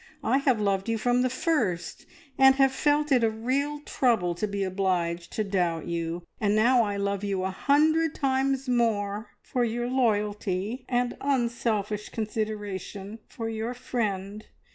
I have loved you from the first, and have felt it a real trouble to be obliged to doubt you, and now I love you a hundred times more for your loyalty and unselfish consideration for your friend.